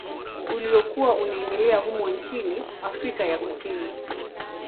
Uliokuwa unaendelea humo nchini Afrika ya Kusini